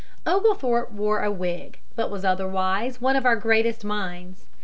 Oglethorpe wore a wig, but was otherwise one of our greatest minds.